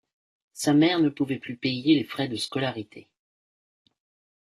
Sa mère ne pouvait plus payer les frais de scolarité.